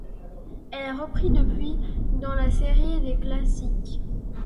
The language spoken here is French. Elle a repris depuis, dans la série des Classics.